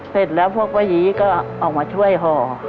เสร็จแล้วพวกป้ายีก็ออกมาช่วยห่อ